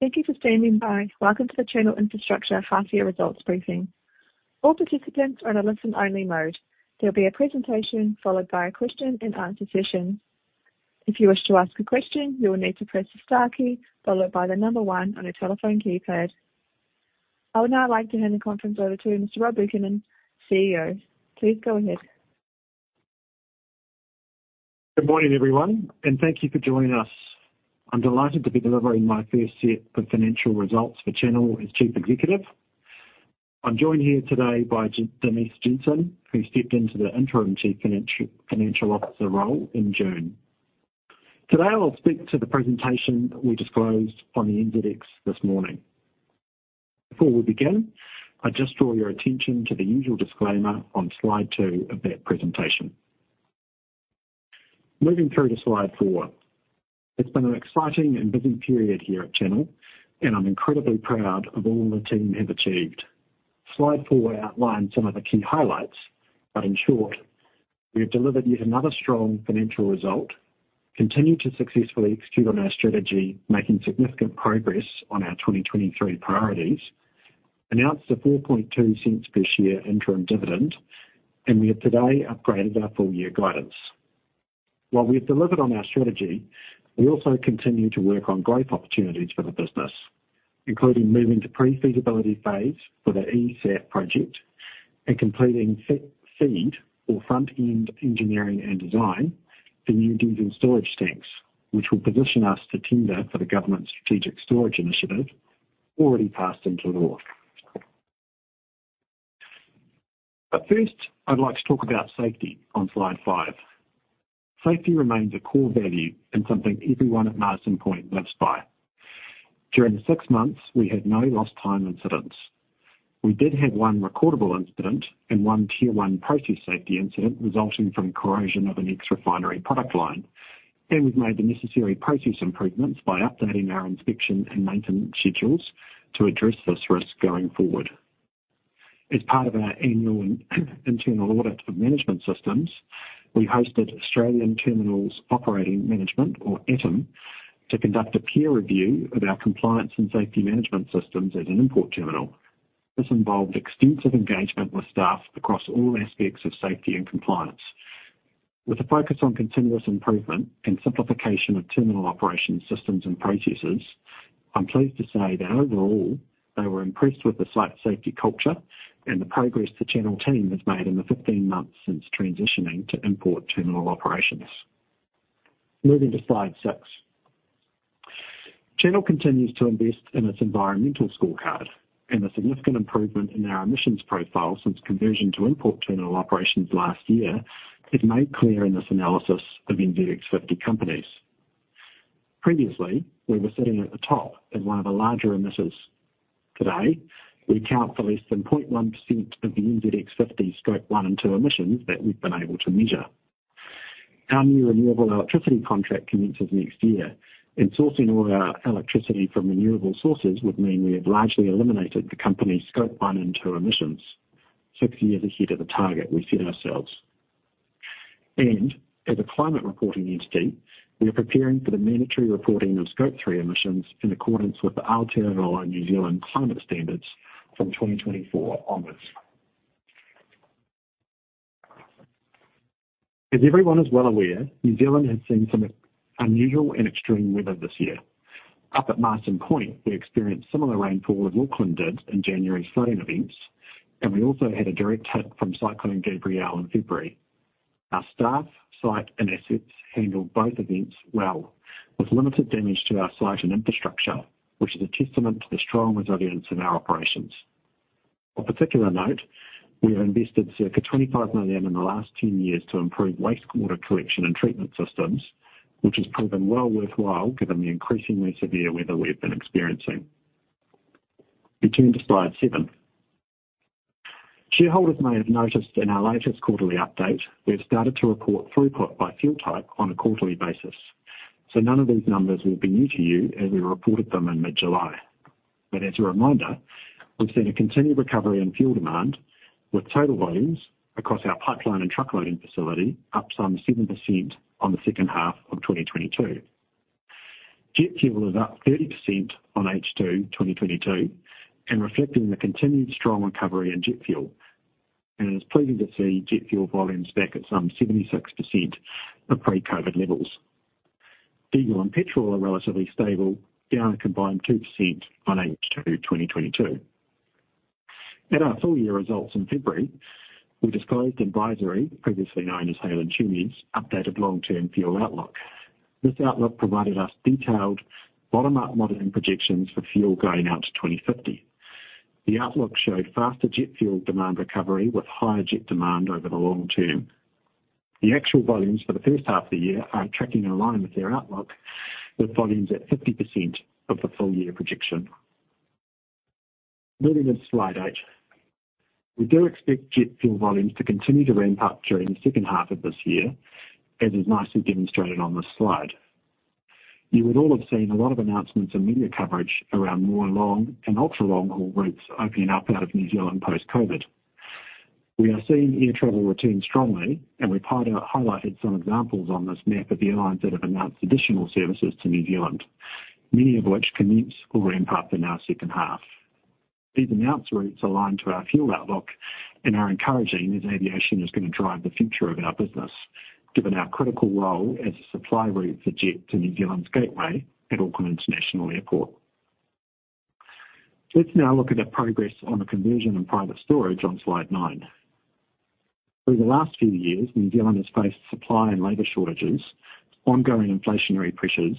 Thank you for standing by. Welcome to the Channel Infrastructure Half Year Results briefing. All participants are in a listen-only mode. There will be a presentation followed by a question and answer session. If you wish to ask a question, you will need to press the star key followed by the number one on your telephone keypad. I would now like to hand the conference over to Mr. Rob Buchanan, CEO. Please go ahead. Good morning, everyone. Thank you for joining us. I'm delighted to be delivering my first set of financial results for Channel as Chief Executive. I'm joined here today by Denise Jensen, who stepped into the Interim Chief Financial Officer role in June. Today, I'll speak to the presentation we disclosed on the NZX this morning. Before we begin, I just draw your attention to the usual disclaimer on slide 2 of that presentation. Moving through to slide 4. It's been an exciting and busy period here at Channel. I'm incredibly proud of all the team have achieved. Slide 4 outlines some of the key highlights, in short, we have delivered yet another strong financial result, continued to successfully execute on our strategy, making significant progress on our 2023 priorities, announced a 0.042 per share interim dividend, and we have today upgraded our full-year guidance. While we have delivered on our strategy, we also continue to work on growth opportunities for the business, including moving to pre-feasibility phase for the e-SAF project and completing FEED or Front-End Engineering and Design for new diesel storage tanks, which will position us to tender for the Government Strategic Storage Initiative, already passed into law. First, I'd like to talk about safety on slide 5. Safety remains a core value and something everyone at Marsden Point lives by. During the 6 months, we had no lost time incidents. We did have one recordable incident and one Tier 1 process safety incident resulting from corrosion of an ex-refinery product line, and we've made the necessary process improvements by updating our inspection and maintenance schedules to address this risk going forward. As part of our annual and internal audit of management systems, we hosted Australian Terminal Operations Management, or ATOM, to conduct a peer review of our compliance and safety management systems as an import terminal. This involved extensive engagement with staff across all aspects of safety and compliance. With a focus on continuous improvement and simplification of terminal operations, systems, and processes, I'm pleased to say that overall, they were impressed with the site safety culture and the progress the Channel team has made in the 15 months since transitioning to import terminal operations. Moving to slide six. Channel continues to invest in its environmental scorecard, and the significant improvement in our emissions profile since conversion to import terminal operations last year is made clear in this analysis of NZX 50 companies. Previously, we were sitting at the top as one of the larger emitters. Today, we account for less than 0.1% of the NZX 50 Scope 1 and 2 emissions that we've been able to measure. Our new renewable electricity contract commences next year, and sourcing all our electricity from renewable sources would mean we have largely eliminated the company's Scope 1 and 2 emissions, 6 years ahead of the target we set ourselves. As a Climate Reporting Entity, we are preparing for the mandatory reporting of Scope 3 emissions in accordance with the Aotearoa New Zealand Climate Standards from 2024 onwards. As everyone is well aware, New Zealand has seen some unusual and extreme weather this year. Up at Marsden Point, we experienced similar rainfall as Auckland did in January's flooding events. We also had a direct hit from Cyclone Gabrielle in February. Our staff, site, and assets handled both events well, with limited damage to our site and infrastructure, which is a testament to the strong resilience in our operations. Of particular note, we have invested circa 25 million in the last 10 years to improve wastewater collection and treatment systems, which has proven well worthwhile given the increasingly severe weather we've been experiencing. We turn to slide 7. Shareholders may have noticed in our latest quarterly update, we've started to report throughput by fuel type on a quarterly basis, so none of these numbers will be new to you as we reported them in mid-July. As a reminder, we've seen a continued recovery in fuel demand, with total volumes across our pipeline and truck loading facility up some 7% on the second half of 2022. Jet fuel is up 30% on H2 2022 and reflecting the continued strong recovery in jet fuel. It's pleasing to see jet fuel volumes back at some 76% of pre-COVID levels. Diesel and petrol are relatively stable, down a combined 2% on H2 2022. At our full-year results in February, we disclosed in Envisory, previously known as Hale and Twomey, updated long-term fuel outlook. This outlook provided us detailed bottom-up modeling projections for fuel going out to 2050. The outlook showed faster jet fuel demand recovery with higher jet demand over the long term. The actual volumes for the first half of the year are tracking in line with their outlook, with volumes at 50% of the full year projection. Moving to slide 8. We do expect jet fuel volumes to continue to ramp up during the second half of this year, as is nicely demonstrated on this slide. You would all have seen a lot of announcements and media coverage around more long and ultra-long haul routes opening up out of New Zealand post-COVID. We are seeing air travel return strongly, and we've highlighted some examples on this map of the airlines that have announced additional services to New Zealand, many of which commence or ramp up in our second half. These announced routes align to our fuel outlook and are encouraging, as aviation is going to drive the future of our business, given our critical role as a supply route for jet to New Zealand's gateway at Auckland International Airport. Let's now look at our progress on the conversion and private storage on Slide nine. Over the last few years, New Zealand has faced supply and labor shortages, ongoing inflationary pressures,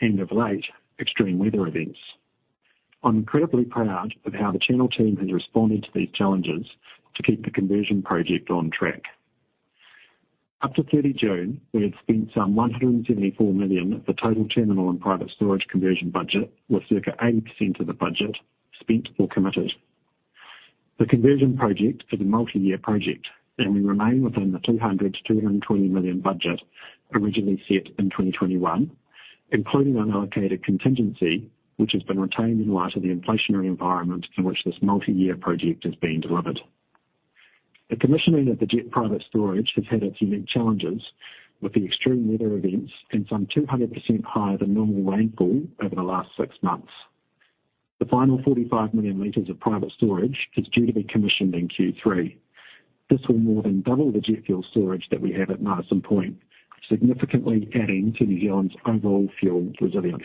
and of late, extreme weather events. I'm incredibly proud of how the Channel team has responded to these challenges to keep the conversion project on track. Up to June 30, we had spent some 174 million. The total terminal and private storage conversion budget was circa 80% of the budget spent or committed. The conversion project is a multi-year project. We remain within the 200 million-220 million budget originally set in 2021, including unallocated contingency, which has been retained in light of the inflationary environment in which this multi-year project is being delivered. The commissioning of the jet private storage has had its unique challenges with the extreme weather events and some 200% higher than normal rainfall over the last 6 months. The final 45 million liters of private storage is due to be commissioned in Q3. This will more than double the jet fuel storage that we have at Marsden Point, significantly adding to New Zealand's overall fuel resilience.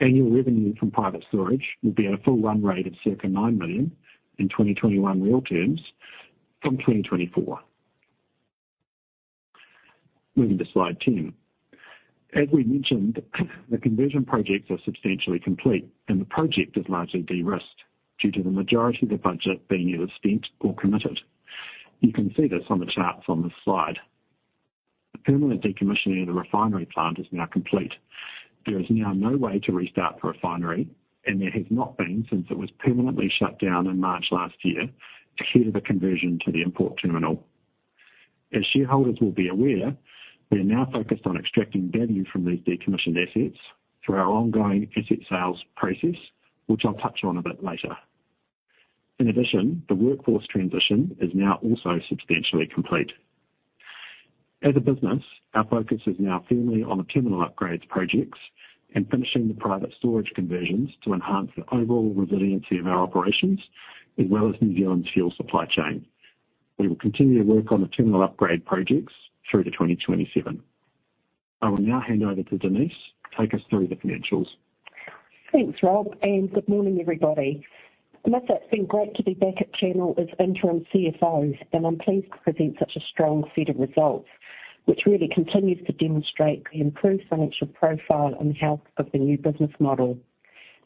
Annual revenue from private storage will be at a full run rate of circa 9 million in 2021 real terms from 2024. Moving to Slide 10. As we mentioned, the conversion projects are substantially complete, and the project is largely de-risked due to the majority of the budget being either spent or committed. You can see this on the charts on this slide. The permanent decommissioning of the refinery plant is now complete. There is now no way to restart the refinery, and there has not been since it was permanently shut down in March last year ahead of the conversion to the import terminal. As shareholders will be aware, we are now focused on extracting value from these decommissioned assets through our ongoing asset sales process, which I'll touch on a bit later. In addition, the workforce transition is now also substantially complete. As a business, our focus is now firmly on the terminal upgrades projects and finishing the private storage conversions to enhance the overall resiliency of our operations, as well as New Zealand's fuel supply chain. We will continue to work on the terminal upgrade projects through to 2027. I will now hand over to Denise to take us through the financials. Thanks, Rob. Good morning, everybody. Look, it's been great to be back at Channel as interim CFO, and I'm pleased to present such a strong set of results, which really continues to demonstrate the improved financial profile and health of the new business model.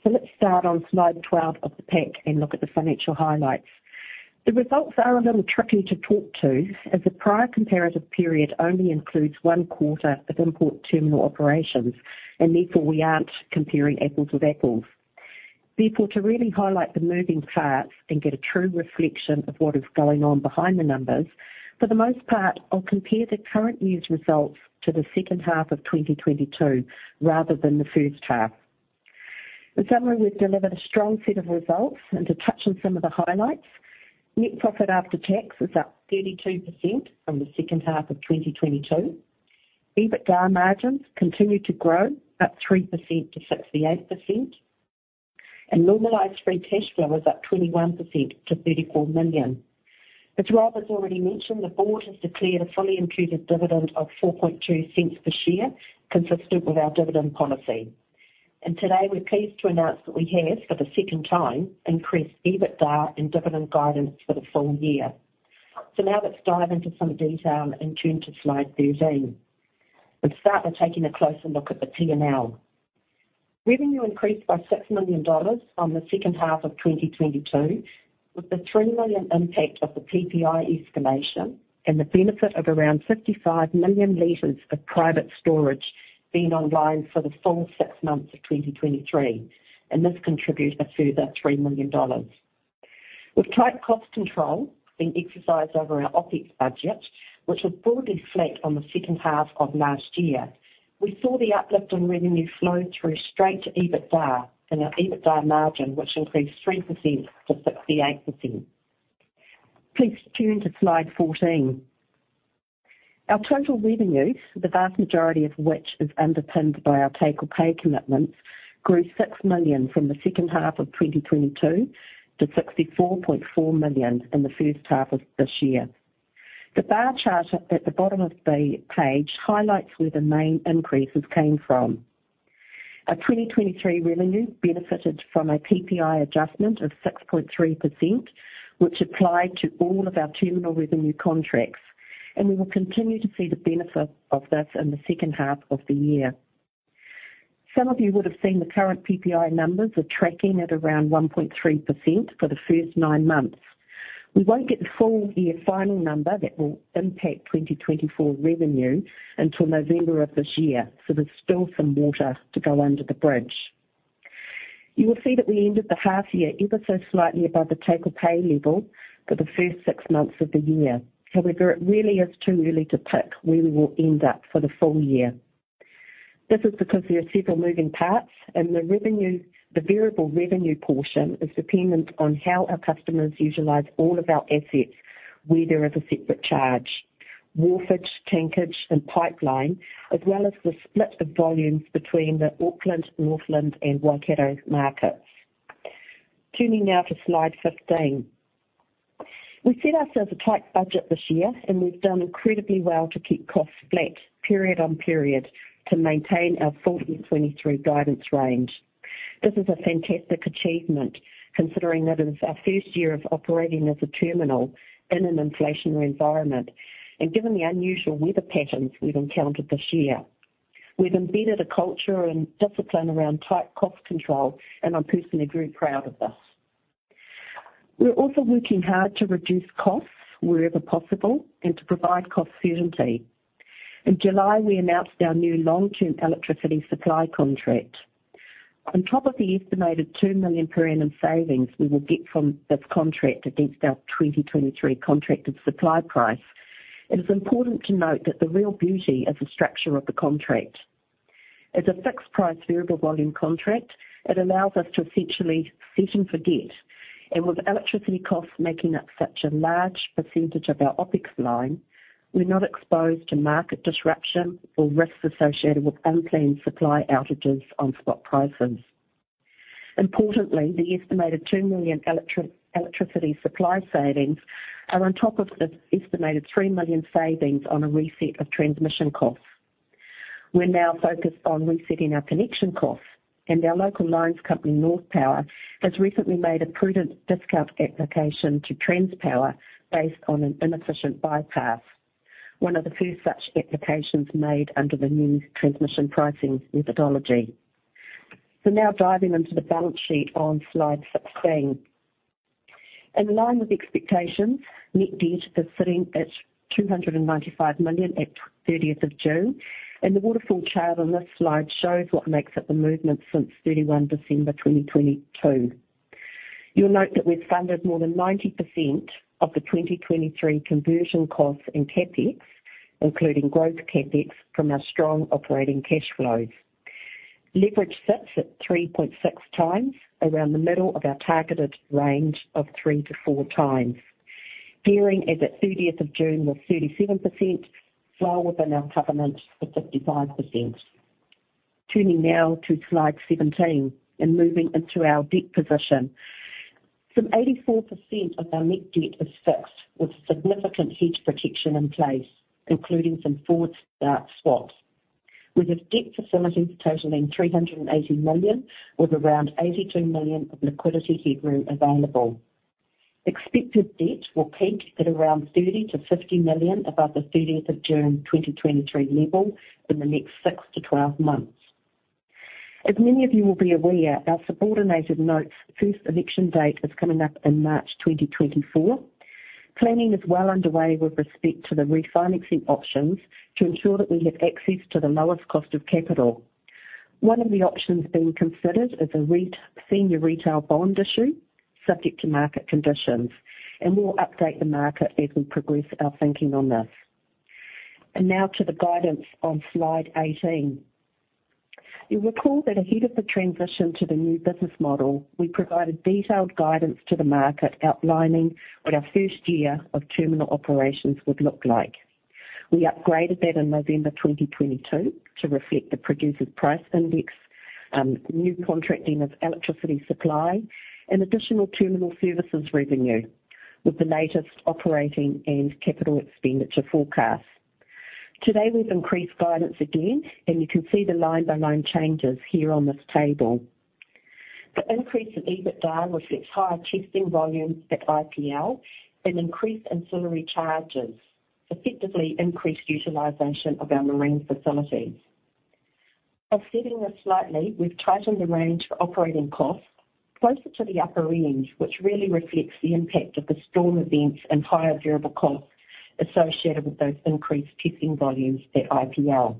Let's start on Slide 12 of the pack and look at the financial highlights. The results are a little tricky to talk to, as the prior comparative period only includes one quarter of import terminal operations, and therefore we aren't comparing apples with apples. To really highlight the moving parts and get a true reflection of what is going on behind the numbers, for the most part, I'll compare the current news results to the second half of 2022 rather than the first half. In summary, we've delivered a strong set of results, and to touch on some of the highlights, net profit after tax is up 32% from the second half of 2022. EBITDA margins continue to grow, up 3% to 68%, and normalized free cash flow is up 21% to 34 million. As Rob has already mentioned, the board has declared a fully included dividend of 0.042 per share, consistent with our dividend policy. Today, we're pleased to announce that we have, for the second time, increased EBITDA and dividend guidance for the full year. Now let's dive into some detail and turn to Slide 13. Let's start by taking a closer look at the P&L. Revenue increased by 6 million dollars from the second half of 2022, with the 3 million impact of the PPI estimation and the benefit of around 55 million liters of private storage being online for the full 6 months of 2023. This contributes a further 3 million dollars. With tight cost control being exercised over our OpEx budget, which was broadly flat on the second half of last year, we saw the uplift in revenue flow through straight to EBITDA and our EBITDA margin, which increased 3% to 68%. Please turn to Slide 14. Our total revenue, the vast majority of which is underpinned by our take-or-pay commitments, grew 6 million from the second half of 2022 to 64.4 million in the first half of this year. The bar chart at the bottom of the page highlights where the main increases came from. Our 2023 revenue benefited from a PPI adjustment of 6.3%, which applied to all of our terminal revenue contracts. We will continue to see the benefit of this in the second half of the year. Some of you would have seen the current PPI numbers are tracking at around 1.3% for the first nine months. We won't get the full year final number that will impact 2024 revenue until November of this year, so there's still some water to go under the bridge. You will see that we ended the half year ever so slightly above the take-or-pay level for the first six months of the year. It really is too early to pick where we will end up for the full year. This is because there are several moving parts, and the revenue, the variable revenue portion is dependent on how our customers utilize all of our assets where there is a separate charge, wharfage, tankage, and pipeline, as well as the split of volumes between the Auckland, Northland, and Waikato markets. Turning now to Slide 15. We set ourselves a tight budget this year, and we've done incredibly well to keep costs flat period on period, to maintain our 2023 guidance range. This is a fantastic achievement, considering that it's our first year of operating as a terminal in an inflationary environment, and given the unusual weather patterns we've encountered this year. We've embedded a culture and discipline around tight cost control, and I'm personally very proud of this. We're also working hard to reduce costs wherever possible and to provide cost certainty. In July, we announced our new long-term electricity supply contract. On top of the estimated 2 million per annum savings we will get from this contract against our 2023 contracted supply price, it is important to note that the real beauty is the structure of the contract. As a fixed price, variable volume contract, it allows us to essentially set and forget, and with electricity costs making up such a large % of our OpEx line, we're not exposed to market disruption or risks associated with unplanned supply outages on spot prices. Importantly, the estimated 2 million electricity supply savings are on top of the estimated 3 million savings on a reset of transmission costs. We're now focused on resetting our connection costs, and our local lines company, Northpower, has recently made a prudent discount application to Transpower New Zealand based on an inefficient bypass, one of the first such applications made under the new transmission pricing methodology. Now diving into the balance sheet on Slide 16. In line with expectations, net debt is sitting at 295 million at 30th of June, and the waterfall chart on this slide shows what makes up the movement since 31 December 2022. You'll note that we've funded more than 90% of the 2023 conversion costs and CapEx, including growth CapEx, from our strong operating cash flows. Leverage sits at 3.6x, around the middle of our targeted range of 3x-4x. Gearing as at 30th of June was 37%, well within our covenant of 55%. Turning now to Slide 17 and moving into our debt position. Some 84% of our net debt is fixed, with significant hedge protection in place, including some forward start swaps. We have debt facilities totaling 380 million, with around 82 million of liquidity headroom available. Expected debt will peak at around 30 million-50 million above the 30th of June 2023 level in the next 6-12 months. As many of you will be aware, our subordinated notes first election date is coming up in March 2024. Planning is well underway with respect to the refinancing options to ensure that we have access to the lowest cost of capital. One of the options being considered is a senior retail bond issue, subject to market conditions, and we'll update the market as we progress our thinking on this. Now to the guidance on Slide 18. You'll recall that ahead of the transition to the new business model, we provided detailed guidance to the market, outlining what our first year of terminal operations would look like. We upgraded that in November 2022 to reflect the Producer Price Index, new contracting of electricity supply, and additional terminal services revenue, with the latest operating and capital expenditure forecast. Today, we've increased guidance again, and you can see the line-by-line changes here on this table. The increase in EBITDA reflects higher testing volumes at IPL and increased ancillary charges, effectively increased utilization of our marine facilities. Offsetting this slightly, we've tightened the range for operating costs closer to the upper range, which really reflects the impact of the storm events and higher variable costs associated with those increased testing volumes at IPL.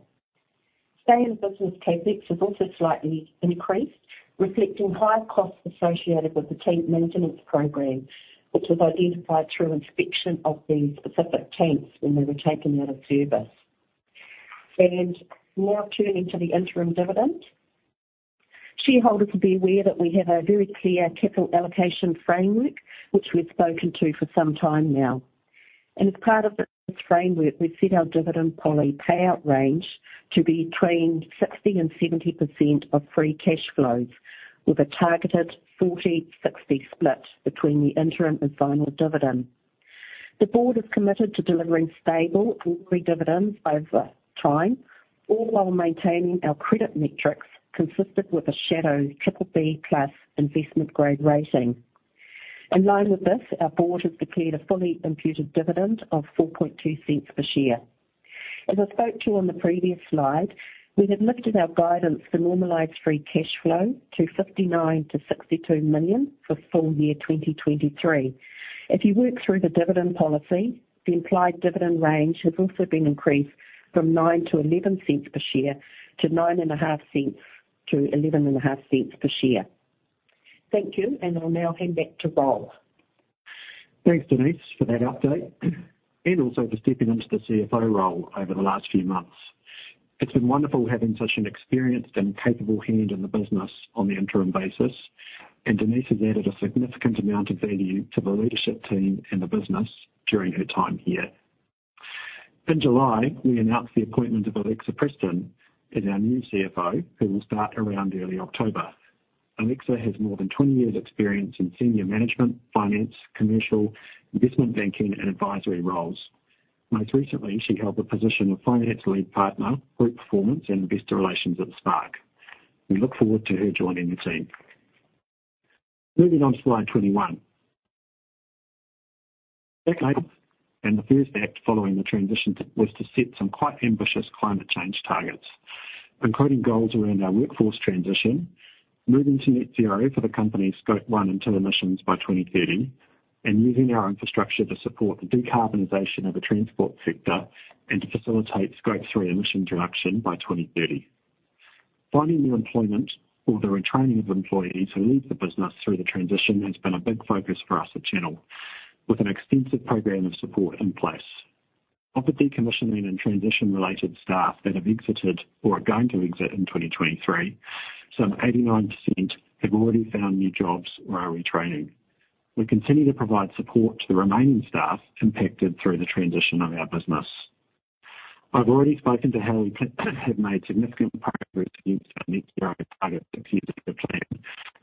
Stay in business CapEx has also slightly increased, reflecting higher costs associated with the tank maintenance program, which was identified through inspection of the specific tanks when they were taken out of service. Now turning to the interim dividend. Shareholders will be aware that we have a very clear capital allocation framework, which we've spoken to for some time now. As part of this framework, we've set our dividend policy payout range to be between 60% and 70% of free cash flows, with a targeted 40/60 split between the interim and final dividend. The board is committed to delivering stable quarterly dividends over time, all while maintaining our credit metrics consistent with a shadow BBB+ investment grade rating. In line with this, our board has declared a fully imputed dividend of 0.042 per share. As I spoke to on the previous slide, we have lifted our guidance for normalized free cash flow to 59 million-62 million for full year 2023. If you work through the dividend policy, the implied dividend range has also been increased from 0.09-0.11 per share to 0.095-0.115 per share. Thank you. I'll now hand back to Rob. Thanks, Denise, for that update, and also for stepping into the CFO role over the last few months. It's been wonderful having such an experienced and capable hand in the business on the interim basis, and Denise has added a significant amount of value to the leadership team and the business during her time here. In July, we announced the appointment of Alexa Preston as our new CFO, who will start around early October. Alexa has more than 20 years experience in senior management, finance, commercial, investment banking, and advisory roles. Most recently, she held the position of Finance Lead Partner, Group Performance and Investor Relations at Spark. We look forward to her joining the team. Moving on to slide 21. Back in April, the first act following the transition was to set some quite ambitious climate change targets, including goals around our workforce transition, moving to net zero for the company's Scope 1 and 2 emissions by 2030, and using our infrastructure to support the decarbonization of the transport sector and to facilitate Scope 3 emission reduction by 2030. Finding new employment or the retraining of employees who leave the business through the transition has been a big focus for us at Channel, with an extensive program of support in place. Of the decommissioning and transition-related staff that have exited or are going to exit in 2023, some 89% have already found new jobs or are retraining. We continue to provide support to the remaining staff impacted through the transition of our business. I've already spoken to how we have made significant progress against our net zero target six years ago plan,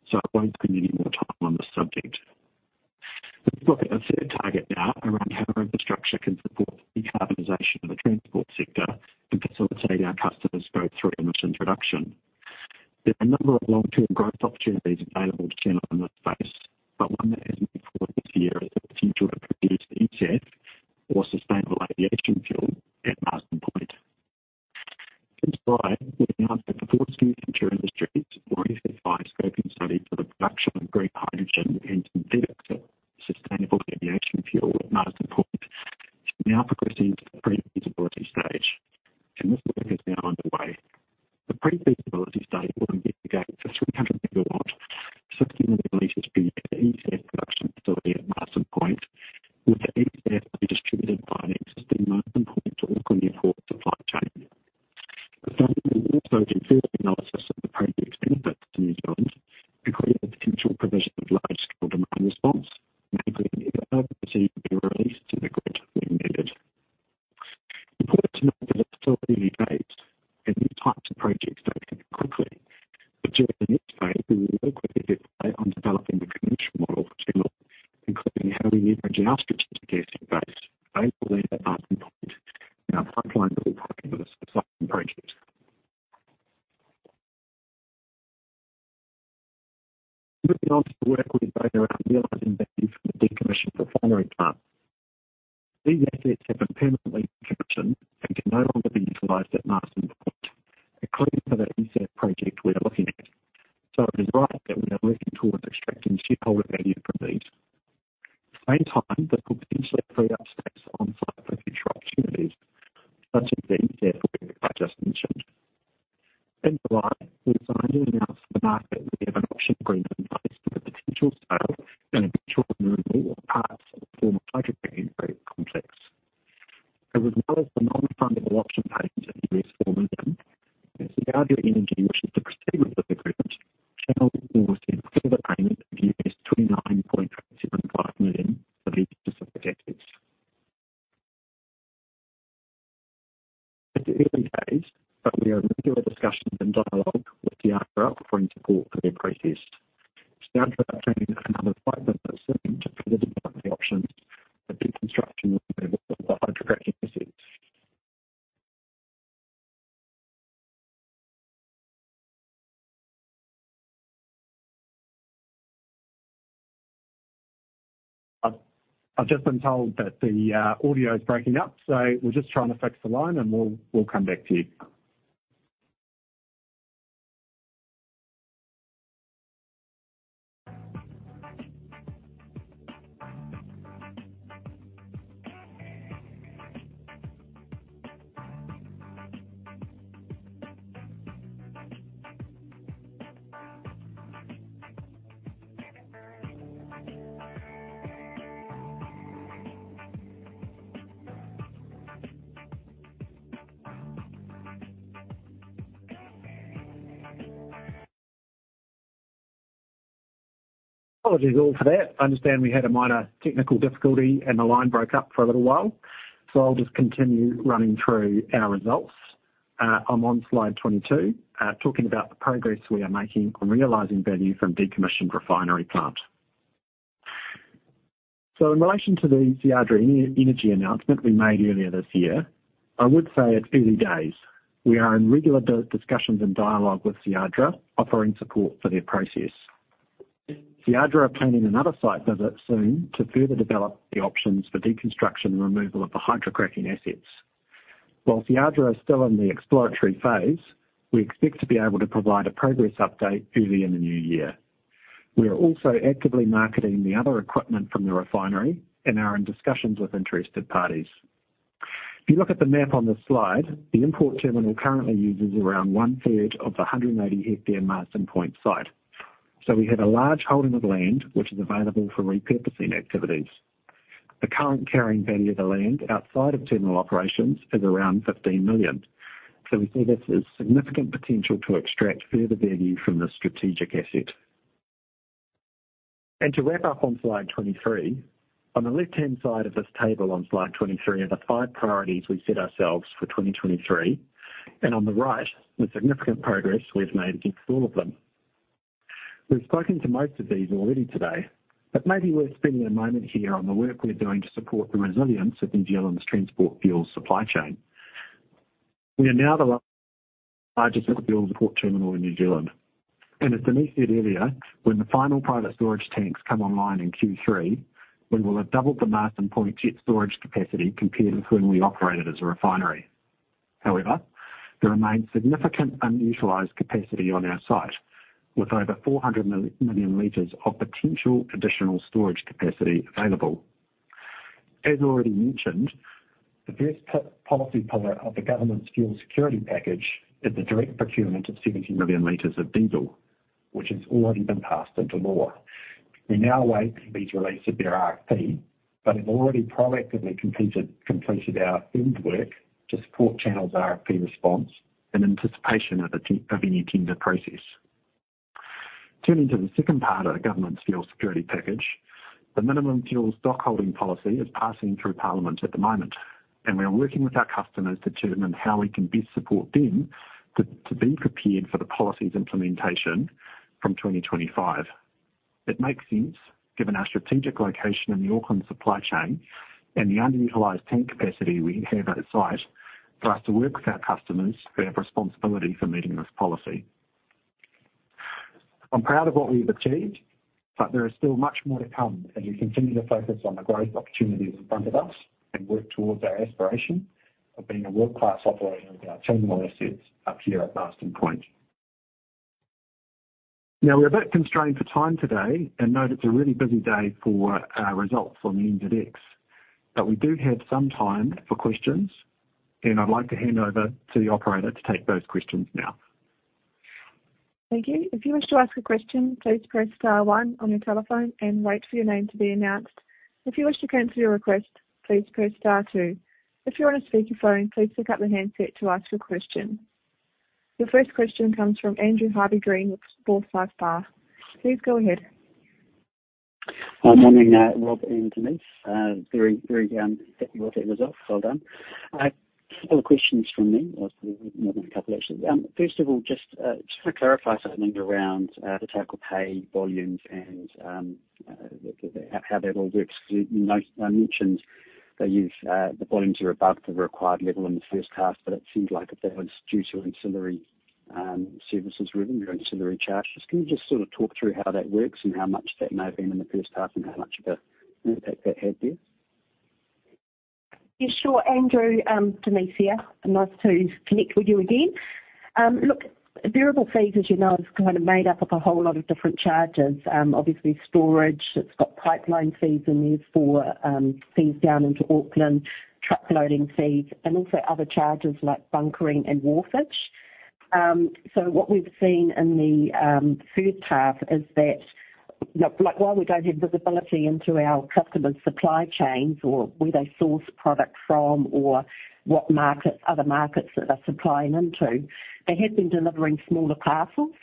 so I won't spend any more time on this subject. in place for the potential sale and eventual removal of parts of the former hydrocracking complex. As well as the non-refundable option payment of $4 million, if Seadra Energy wishes to proceed with the agreement, Channel will receive a further payment of $29.75 million for these specific assets. It's early days, but we are in regular discussions and dialogue with the offer, offering support for their process. Seadra are planning another site visit soon to further develop the options for deconstruction and removal of the hydrocracking assets. While Seadra are still in the exploratory phase, we expect to be able to provide a progress update early in the new year. We are also actively marketing the other equipment from the refinery and are in discussions with interested parties. If you look at the map on this slide, the import terminal currently uses around one third of the 180 hectare Marsden Point site. We have a large holding of land, which is available for repurposing activities. The current carrying value of the land outside of terminal operations is around 15 million. We see this as significant potential to extract further value from this strategic asset. To wrap up on slide 23, on the left-hand side of this table on slide 23 are the five priorities we set ourselves for 2023, and on the right, the significant progress we've made against all of them. We've spoken to most of these already today, but maybe worth spending a moment here on the work we're doing to support the resilience of New Zealand's transport fuel supply chain. We are now the largest fuel port terminal in New Zealand, and as Denise said earlier, when the final private storage tanks come online in Q3, we will have doubled the Marsden Point jet storage capacity compared to when we operated as a refinery. However, there remains significant unutilized capacity on our site, with over 400 million liters of potential additional storage capacity available. As already mentioned, the first policy pillar of the government's Fuel Security Plan is the direct procurement of 70 million liters of diesel, which has already been passed into law. We now await MBIE's release of their RFP, have already proactively completed our field work to support Channel Infrastructure's RFP response in anticipation of any tender process. Turning to the second part of the government's Fuel Security Plan, the minimum fuel stock holding policy is passing through Parliament at the moment, we are working with our customers to determine how we can best support them to be prepared for the policy's implementation from 2025. It makes sense, given our strategic location in the Auckland supply chain and the underutilized tank capacity we have at our site, for us to work with our customers who have responsibility for meeting this policy. I'm proud of what we've achieved, but there is still much more to come as we continue to focus on the growth opportunities in front of us and work towards our aspiration of being a world-class operator of our terminal assets up here at Marsden Point. We're a bit constrained for time today, and note it's a really busy day for results on the NZX. We do have some time for questions, and I'd like to hand over to the operator to take those questions now. Thank you. If you wish to ask a question, please press star one on your telephone and wait for your name to be announced. If you wish to cancel your request, please press star two. If you're on a speakerphone, please pick up the handset to ask your question. Your first question comes from Andrew Harvey-Green with Forsyth Barr. Please go ahead. Good morning, Rob and Denise. Very, very happy with your results. Well done. A couple of questions from me. Well, more than a couple, actually. First of all, just want to clarify something around the take-or-pay volumes and how that all works. You know, I mentioned that you've, the volumes are above the required level in the first half, but it seemed like that was due to ancillary, services revenue or ancillary charges. Can you just sort of talk through how that works and how much that may have been in the first half, and how much of an impact that had there? Yeah, sure, Andrew, Denise here. Nice to connect with you again. Look, variable fees, as you know, is kind of made up of a whole lot of different charges. Obviously, storage, it's got pipeline fees in there for fees down into Auckland, truck loading fees, and also other charges like bunkering and wharfage. What we've seen in the first half is that, look, like, while we don't have visibility into our customers' supply chains or where they source product from or what markets, other markets that they're supplying into, they have been delivering smaller parcels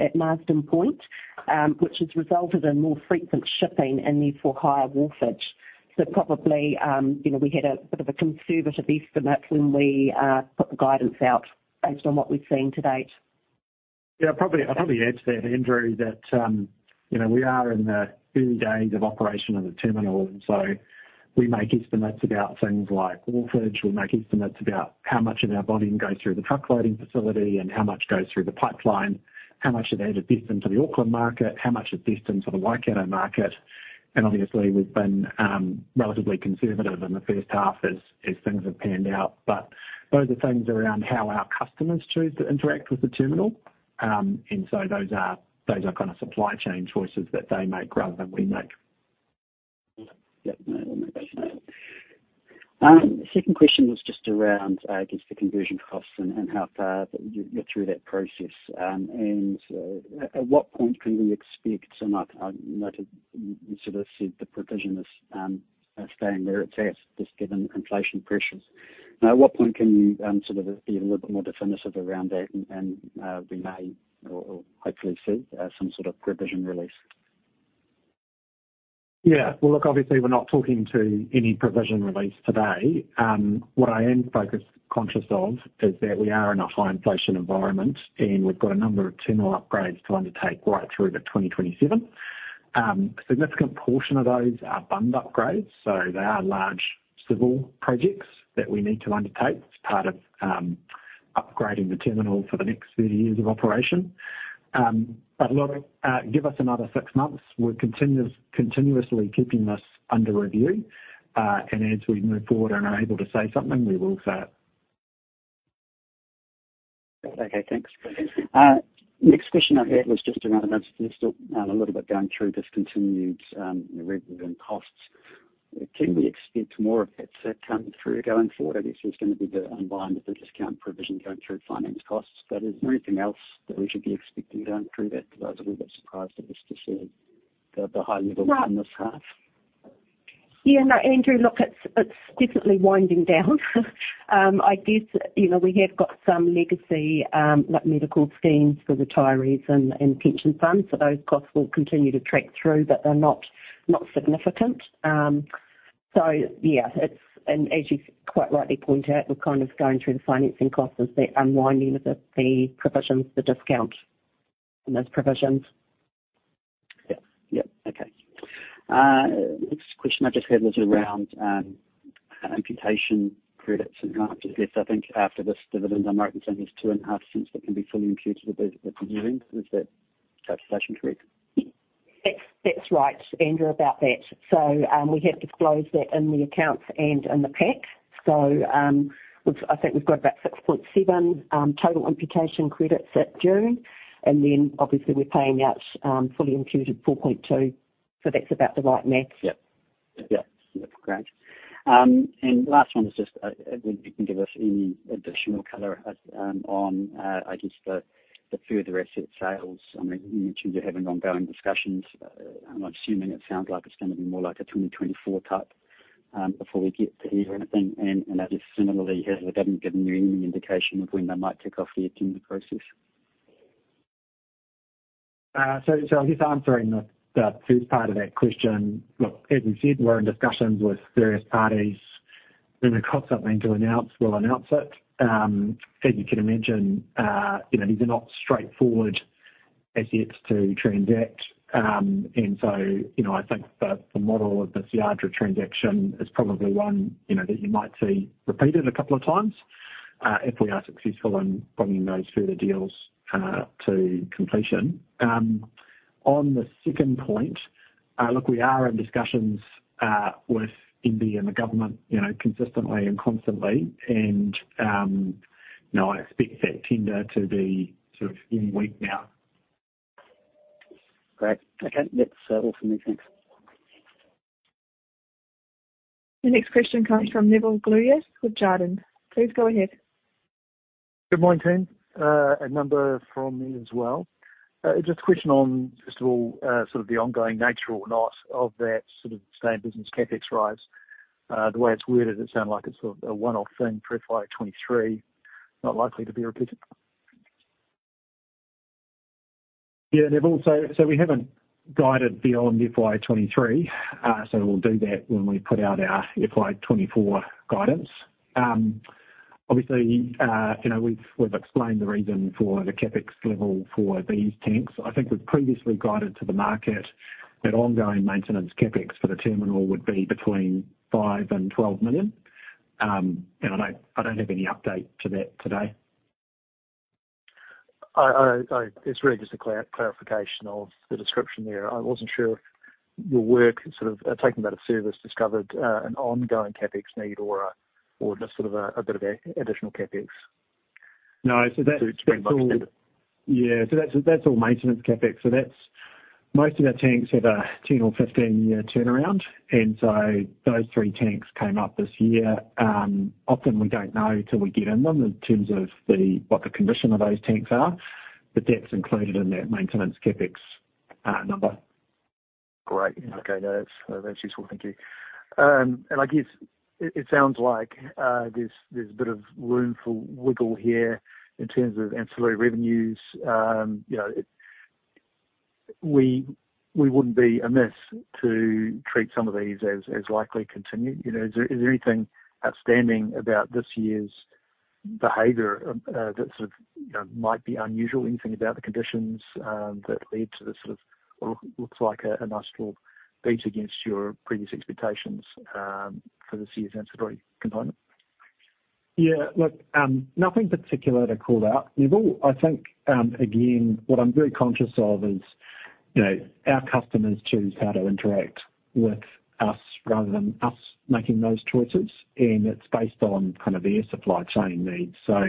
at Marsden Point, which has resulted in more frequent shipping and therefore higher wharfage. Probably, you know, we had a bit of a conservative estimate when we put the guidance out based on what we've seen to date. Yeah, I'd probably, I'd probably add to that, Andrew, that, you know, we are in the early days of operation of the terminal, and so we make estimates about things like wharfage. We make estimates about how much of our volume goes through the truck loading facility and how much goes through the pipeline, how much of that is destined for the Auckland market, how much is destined for the Waikato market. Obviously, we've been, relatively conservative in the first half as, as things have panned out. Those are things around how our customers choose to interact with the terminal. So those are, those are kind of supply chain choices that they make rather than we make. Yep, no, second question was just around, I guess, the conversion costs and, and how far you, you're through that process. At, at what point can we expect, and I, I noted, you sort of said the provision is, staying where it's at, just given the inflation pressures. Now, at what point can you, sort of be a little bit more definitive around that and, we may or, or hopefully see, some sort of provision release? Yeah. Well, look, obviously, we're not talking to any provision release today. What I am focused conscious of is that we are in a high inflation environment, and we've got a number of terminal upgrades to undertake right through to 2027. A significant portion of those are bund upgrades, so they are large civil projects that we need to undertake as part of upgrading the terminal for the next 30 years of operation. But look, give us another 6 months. We're continuous, continuously keeping this under review, and as we move forward and are able to say something, we will do that. Okay, thanks. Next question I had was just around a little bit down through discontinued revenue and costs. Can we expect more of that to come through going forward? I guess there's gonna be the unwind of the discount provision going through finance costs, but is there anything else that we should be expecting down through that? Because I was a little bit surprised at this to see the high levels in this half. Yeah, no, Andrew, look, it's, it's definitely winding down. I guess, you know, we have got some legacy, like medical schemes for retirees and pension funds, so those costs will continue to track through, but they're not, not significant. Yeah, and as you quite rightly point out, we're kind of going through the financing costs as the unwinding of the provisions, the discount in those provisions. Yep. Yep, okay. Next question I just had was around imputation credits and grants. I guess, I think after this dividend, I'm right in saying there's NZD 0.025 that can be fully imputed with, with the earnings. Is that interpretation correct? That's, that's right, Andrew, about that. We have disclosed that in the accounts and in the pack. We've I think we've got about 6.7 total imputation credits at June, and then obviously we're paying out fully imputed 4.2. That's about the right mix. Yep. Yep, great. Last one is just, if you can give us any additional color, on I guess, the further asset sales. I mean, you mentioned you're having ongoing discussions. I'm assuming it sounds like it's gonna be more like a 2024 type, before we get to hear anything. That is similarly, has the government given you any indication of when they might kick off the tender process? So, so I guess answering the, the first part of that question. Look, as we said, we're in discussions with various parties. When we've got something to announce, we'll announce it. As you can imagine, you know, these are not straightforward assets to transact. So, you know, I think the, the model of the Seadra transaction is probably one, you know, that you might see repeated a couple of times, if we are successful in bringing those further deals to completion. On the second point, look, we are in discussions with MBIE and the government, you know, consistently and constantly. You know, I expect that tender to be sort of any week now. Great. Okay, yep. That's all for me. Thanks. The next question comes from Neville Gluyas with Jarden. Please go ahead. Good morning, team. A number from me as well. Just a question on, first of all, sort of the ongoing nature or not of that sort of same business CapEx rise. The way it's worded, it sounds like it's sort of a one-off thing for FY 2023, not likely to be repeated. Yeah, Neville. We haven't guided beyond FY 2023. We'll do that when we put out our FY 2024 guidance. Obviously, you know, we've, we've explained the reason for the CapEx level for these tanks. I think we've previously guided to the market that ongoing maintenance CapEx for the terminal would be between 5 million-12 million. I don't, I don't have any update to that today. It's really just a clarification of the description there. I wasn't sure if your work in sort of taking that service discovered an ongoing CapEx need or just sort of a bit of additional CapEx. No, that's, that's all- To bring much to it. Yeah. That's, that's all maintenance CapEx. That's... Most of our tanks have a 10 or 15-year turnaround, and so those 3 tanks came up this year. Often we don't know till we get in them in terms of the, what the condition of those tanks are, but that's included in that maintenance CapEx number. Great. Okay, that's that's useful. Thank you. And I guess, it, it sounds like there's, there's a bit of room for wiggle here in terms of ancillary revenues. You know, We, we wouldn't be amiss to treat some of these as, as likely continued. You know, is there, is there anything outstanding about this year's behavior, that sort of, you know, might be unusual? Anything about the conditions, that lead to this sort of what look, looks like a, a nice little beat against your previous expectations, for this year's ancillary component? Yeah, look, nothing particular to call out, Neville. I think, again, what I'm very conscious of is, you know, our customers choose how to interact with us rather than us making those choices, and it's based on kind of their supply chain needs. So,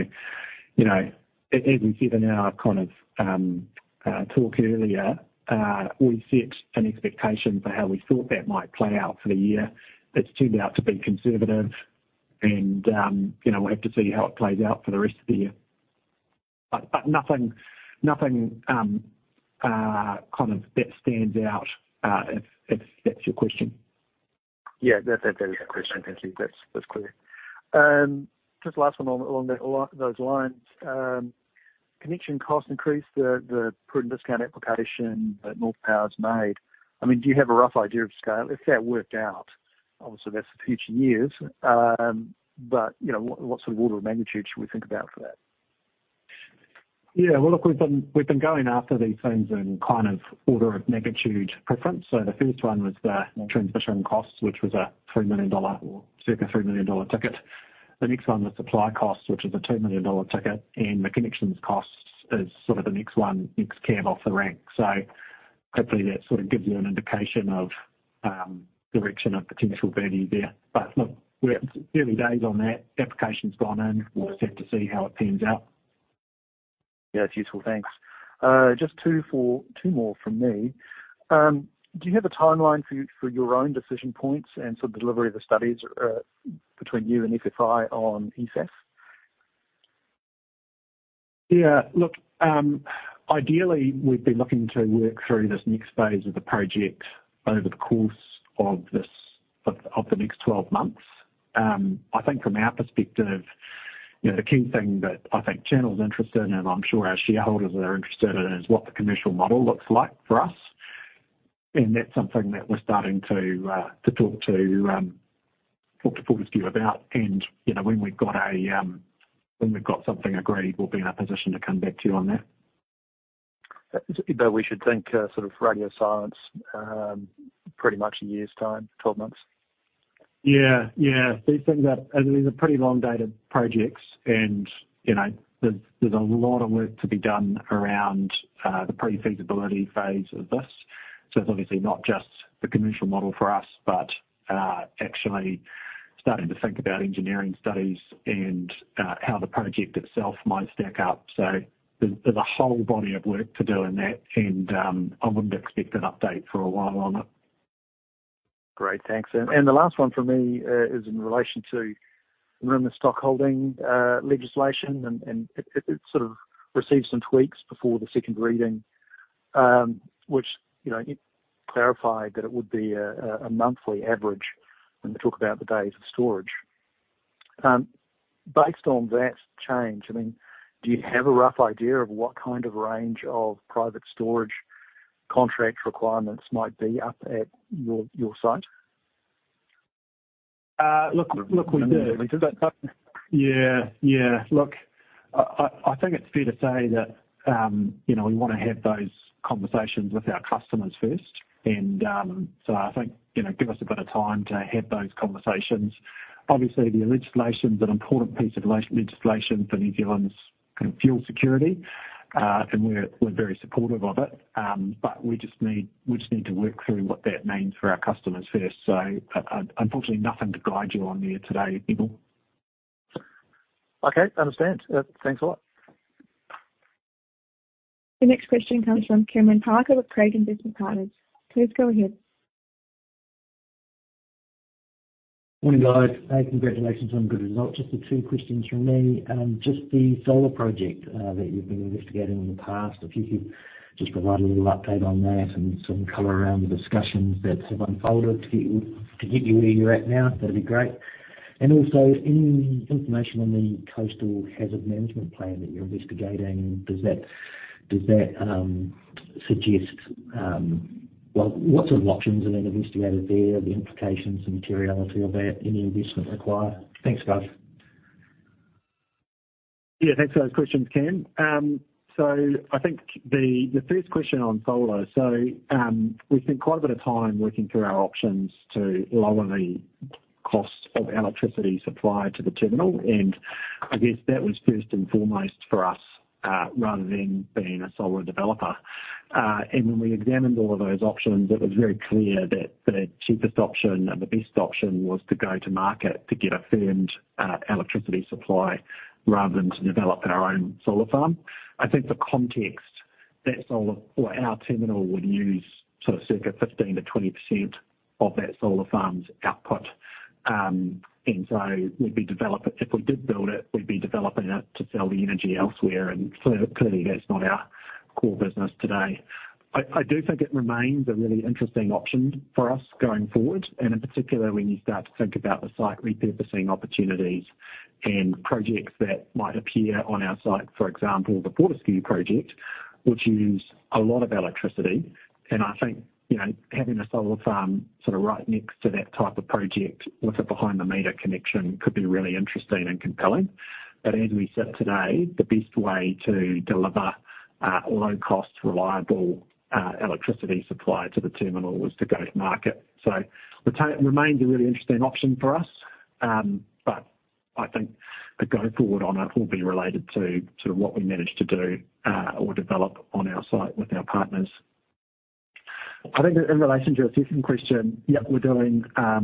you know, as we said in our kind of talk earlier, we set an expectation for how we thought that might play out for the year. It's turned out to be conservative and, you know, we'll have to see how it plays out for the rest of the year. But nothing, nothing, kind of that stands out, if, if that's your question. Yeah, that's, that is the question. Thank you. That's, that's clear. Just last one on, along that those lines. connection costs increased, the, the current discount application that Northpower's made. I mean, do you have a rough idea of scale if that worked out? Obviously, that's the future years, but, you know, what, what sort of order of magnitude should we think about for that? Yeah, well, look, we've been, we've been going after these things in kind of order of magnitude preference. The first one was the transmission costs, which was a 3 million dollar, or circa 3 million dollar ticket. The next one, the supply costs, which is a 2 million dollar ticket, and the connections costs is sort of the next one, next can off the rank. Hopefully that sort of gives you an indication of direction of potential value there. Look, we're early days on that. Application's gone in. We'll just have to see how it pans out. Yeah, it's useful. Thanks. Just two more from me. Do you have a timeline for your own decision points and for the delivery of the studies between you and FFI on e-SAF? Yeah, look, ideally, we'd be looking to work through this next phase of the project over the course of this, of, of the next 12 months. I think from our perspective, you know, the key thing that I think Channel's interested in, and I'm sure our shareholders are interested in, is what the commercial model looks like for us. That's something that we're starting to talk to, talk to Fortescue about. You know, when we've got a, when we've got something agreed, we'll be in a position to come back to you on that. We should think, sort of radio silence, pretty much a year's time, 12 months? Yeah. Yeah. These things are, these are pretty long-dated projects and, you know, there's, there's a lot of work to be done around the pre-feasibility phase of this. It's obviously not just the commercial model for us, but actually starting to think about engineering studies and how the project itself might stack up. There's, there's a whole body of work to do in that, and I wouldn't expect an update for a while on it. Great. Thanks. The last one for me, is in relation to the stockholding legislation, and it, it sort of received some tweaks before the second reading, which, you know, it clarified that it would be a monthly average when we talk about the days of storage. Based on that change, I mean, do you have a rough idea of what kind of range of private storage contract requirements might be up at your site? Look, look, we do. But- Yeah. Yeah. Look, I, I, I think it's fair to say that, you know, we want to have those conversations with our customers first. I think, you know, give us a bit of time to have those conversations. Obviously, the legislation is an important piece of legislation for New Zealand's kind of fuel security, we're, we're very supportive of it. We just need, we just need to work through what that means for our customers first. Unfortunately, nothing to guide you on there today, Nigel. Okay, understand. Thanks a lot. The next question comes from Cameron Parker with Craigs Investment Partners. Please go ahead. Morning, guys. Congratulations on the good results. Just the 2 questions from me. Just the solar project that you've been investigating in the past, if you could just provide a little update on that and some color around the discussions that have unfolded to get you, to get you where you're at now, that'd be great. Also, any information on the coastal hazard management plan that you're investigating, does that, does that suggest... Well, what sort of options are being investigated there, the implications, the materiality of that, any investment required? Thanks, guys. Yeah, thanks for those questions, Cam. I think the, the first question on solar, we've spent quite a bit of time working through our options to lower the cost of electricity supplied to the terminal, and I guess that was first and foremost for us, rather than being a solar developer. When we examined all of those options, it was very clear that the cheapest option and the best option was to go to market to get a firmed electricity supply rather than to develop our own solar farm. I think the context, that solar or our terminal would use sort of circa 15%-20% of that solar farm's output. If we did build it, we'd be developing it to sell the energy elsewhere, and clearly, that's not our core business today. I, I do think it remains a really interesting option for us going forward, in particular, when you start to think about the site repurposing opportunities and projects that might appear on our site, for example, the Fortescue project, which use a lot of electricity. I think, you know, having a solar farm sort of right next to that type of project with a behind-the-meter connection could be really interesting and compelling. As we sit today, the best way to deliver low-cost, reliable electricity supply to the terminal is to go to market. Remains a really interesting option for us, but I think the go forward on it will be related to sort of what we manage to do or develop on our site with our partners. I think in relation to your second question, yep, we're doing a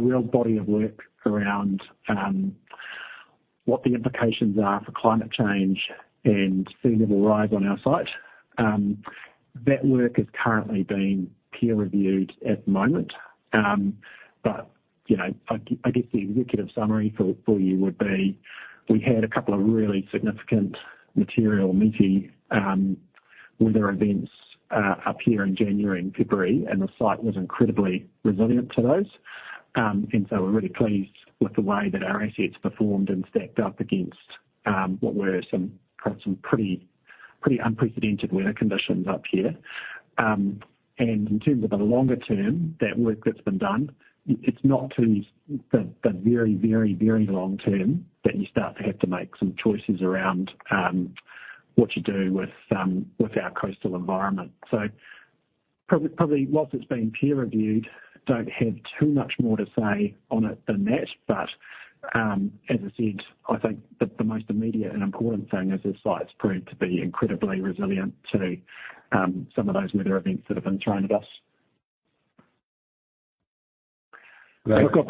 real body of work around what the implications are for climate change and sea level rise on our site. That work is currently being peer-reviewed at the moment. You know, I guess the executive summary for, for you would be: we had a couple of really significant material meaty weather events up here in January and February, and the site was incredibly resilient to those. We're really pleased with the way that our assets performed and stacked up against what were some, perhaps some pretty, pretty unprecedented weather conditions up here. In terms of the longer term, that work that's been done, it's not till the, the very, very, very long term that you start to have to make some choices around what you do with with our coastal environment. Probably whilst it's being peer-reviewed, don't have too much more to say on it than that. As I said, I think the, the most immediate and important thing is the site's proved to be incredibly resilient to some of those weather events that have been thrown at us. Great. I've got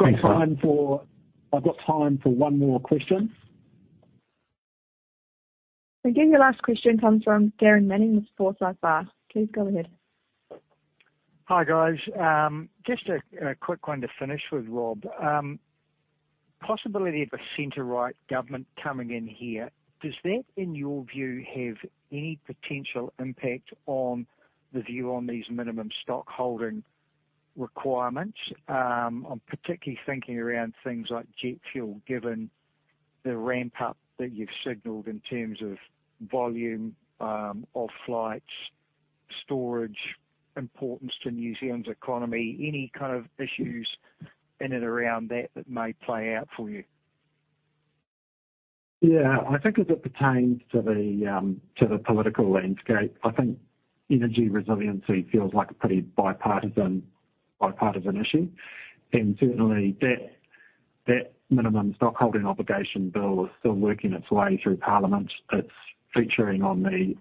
time for one more question. Again, your last question comes from Darren Manning of Forsyth Barr. Please go ahead. Hi, guys. Just a quick one to finish with Rob. Possibility of a center-right government coming in here. Does that, in your view, have any potential impact on the view on these minimum stockholding requirements? I'm particularly thinking around things like jet fuel, given the ramp up that you've signaled in terms of volume of flights, storage, importance to New Zealand's economy. Any kind of issues in and around that that may play out for you? Yeah, I think as it pertains to the, to the political landscape, I think energy resiliency feels like a pretty bipartisan, bipartisan issue. Certainly that, that Minimum Stockholding Obligation bill is still working its way through Parliament. It's featuring on the,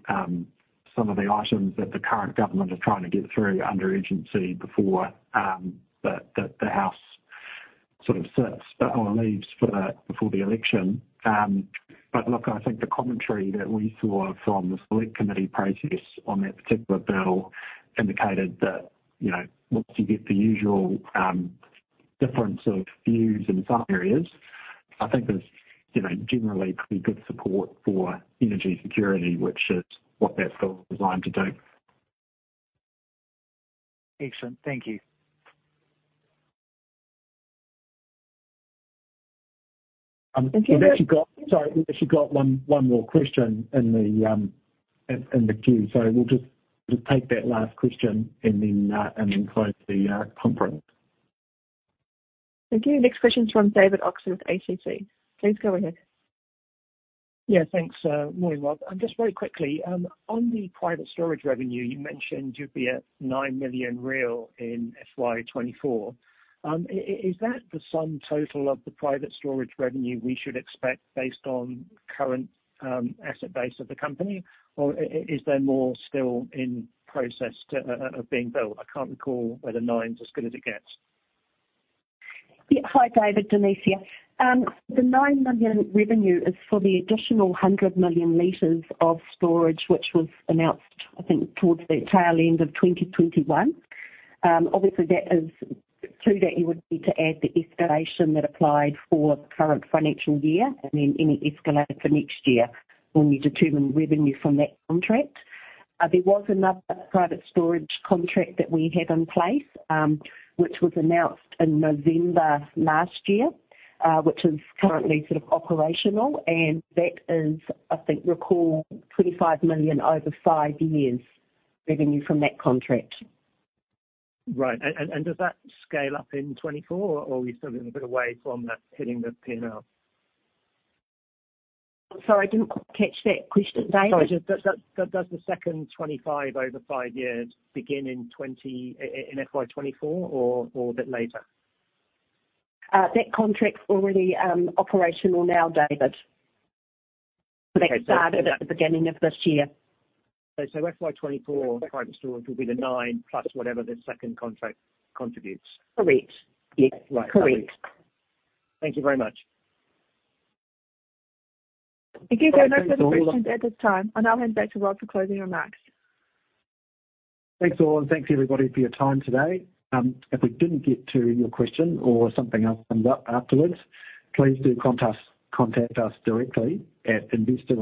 some of the items that the current government is trying to get through under urgency before, the, the, the House sort of sits or leaves before the election. Look, I think the commentary that we saw from the select committee process on that particular bill indicated that, you know, once you get the usual, difference of views in some areas, I think there's, you know, generally pretty good support for energy security, which is what that bill is designed to do. Excellent. Thank you. Thank you very- Sorry. We've actually got one more question in the queue, so we'll just take that last question and then close the conference. Thank you. The next question is from David Oxley with ACC. Please go ahead. Yeah, thanks, morning, Rob. Just very quickly, on the private storage revenue, you mentioned you'd be at NZD 9 million in FY 2024. Is that the sum total of the private storage revenue we should expect based on current asset base of the company? Is there more still in process of being built? I can't recall whether 9 is as good as it gets. Yeah. Hi, David, Denise here. The 9 million revenue is for the additional 100 million liters of storage, which was announced, I think, towards the tail end of 2021. Obviously, that is, to that you would need to add the escalation that applied for the current financial year and then any escalator for next year when you determine the revenue from that contract. There was another private storage contract that we have in place, which was announced in November last year, which is currently sort of operational, and that is, I think, recall 25 million over 5 years revenue from that contract. Right. Does that scale up in 2024, or are we still a little bit away from that hitting the P&L? Sorry, I didn't quite catch that question, David. Sorry, does that, does the second 25 over 5 years begin in FY 2024 or, or a bit later? That contract's already operational now, David. Okay. That started at the beginning of this year. FY 2024 private storage will be the 9 plus whatever the second contract contributes. Correct. Yeah. Right. Correct. Thank you very much. Thank you. There are no further questions at this time. I now hand back to Rob for closing remarks. Thanks, all, and thanks, everybody, for your time today. If we didn't get to your question or something else comes up afterwards, please do contact us directly at investor-